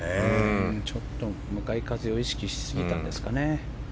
ちょっと向かい風を意識しすぎたんですかね。